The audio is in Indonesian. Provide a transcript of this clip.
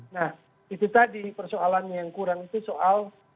nah itu tadi persoalannya yang kurang itu soal